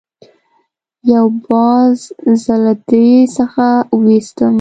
یو باز زه له درې څخه وویستم.